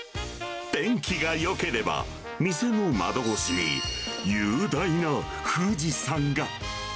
天気がよければ、店の窓越しに雄大な富士山が。